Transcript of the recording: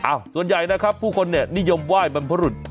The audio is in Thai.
ส่วนใหญ่นะครับผู้คนเนี่ยนิยมไหว้บรรพรุษ